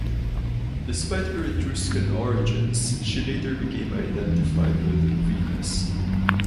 Despite her Etruscan origins, she later became identified with Venus.